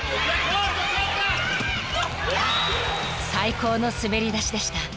［最高の滑り出しでした］